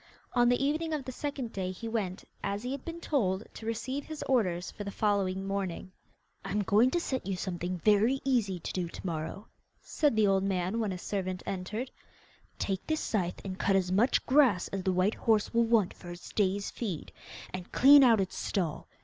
On the evening of the second day he went, as he had been told, to receive his orders for the following morning. 'I am going to set you something very easy to do to morrow,' said the old man when his servant entered. 'Take this scythe and cut as much grass as the white horse will want for its day's feed, and clean out its stall.